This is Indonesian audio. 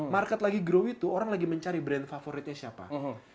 market lagi grow itu orang lagi mencari brand favoritnya siapa